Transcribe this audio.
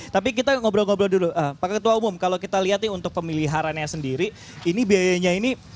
tapi kita ngobrol ngobrol dulu pak ketua umum kalau kita lihat nih untuk pemeliharaannya sendiri ini biayanya ini